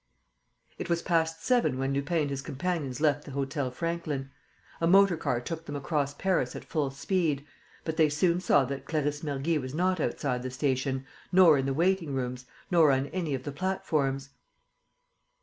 It was past seven when Lupin and his companions left the Hôtel Franklin. A motor car took them across Paris at full speed, but they soon saw that Clarisse Mergy was not outside the station, nor in the waiting rooms, nor on any of the platforms.